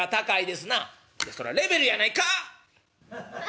「いやそらレベルやないか。